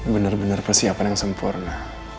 bener bener persiapan yang sempurna